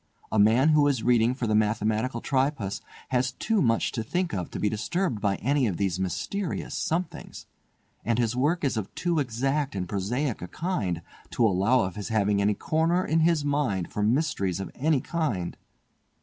A man who is reading for the Mathematical Tripos has too much to think of to be disturbed by any of these mysterious 'somethings', and his work is of too exact and prosaic a kind to allow of his having any corner in his mind for mysteries of any kind.